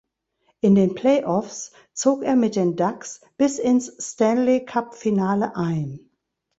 In den Playoffs zog er mit den Ducks bis ins Stanley-Cup-Finale ein.